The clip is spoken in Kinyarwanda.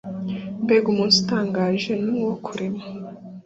Mbega umunsi utangaje, Ni nk’ uwo kurema